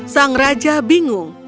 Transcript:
sang raja bingung